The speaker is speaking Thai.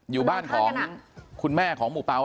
อยู่บ้านของคุณแม่ของหมู่เป๋า